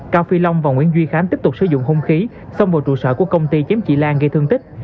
cao phi long và nguyễn duy khánh tiếp tục sử dụng hung khí xông vào trụ sở của công ty chém chị lan gây thương tích